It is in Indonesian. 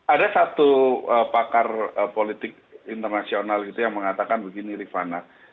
ada satu pakar politik internasional gitu yang mengatakan begini rifana